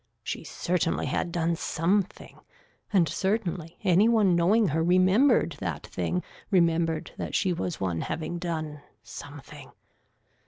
She certainly had done something and certainly any one knowing her remembered that thing remembered that she was one having done something.